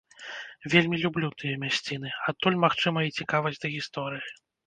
Вельмі люблю тыя мясціны, адтуль, магчыма і цікавасць да гісторыі.